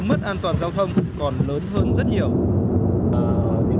nguy cơ mất an toàn giao thông còn lớn hơn rất nhiều